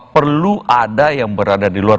perlu ada yang berada di luar